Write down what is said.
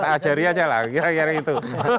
kita ajarin aja lah kira kira itu